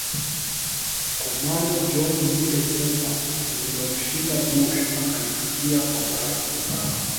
Commando John Lile fupa lililomshinda Bush akalitupia kwa Barack Obama